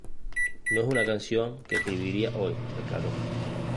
No es una canción que escribiría hoy", declaró.